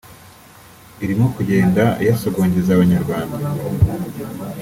irimo kugenda iyasogongeza abanyarwanda